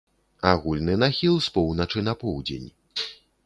Агульны нахіл з поўначы на поўдзень.